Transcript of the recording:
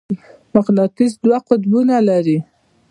مقناطیس دوه قطبونه لري.